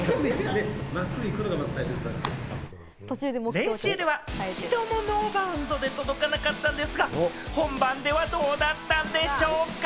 練習では一度もノーバウンドで届かなかったんですが、本番ではどうだったんでしょうか？